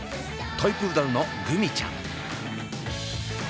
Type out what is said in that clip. トイプードルのぐみちゃん。